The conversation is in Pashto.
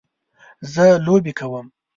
زه لوبې کوم